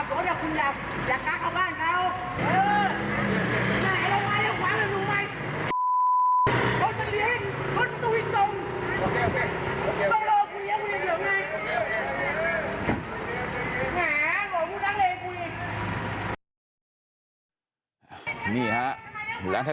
พอโต่ลงลงกันตรงนี้ไงฮะ